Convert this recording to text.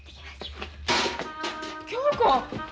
恭子！